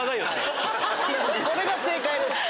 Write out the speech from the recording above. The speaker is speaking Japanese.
これが正解です